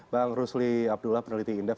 bang rusli abdullah peneliti indef